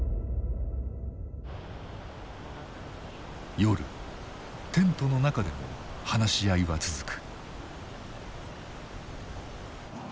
夜テントの中でも話し合いは続く。